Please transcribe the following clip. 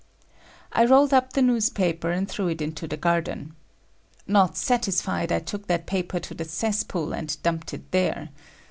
I rolled up the newspaper and threw it into the garden. Not satisfied, I took that paper to the cesspool and dumped it there.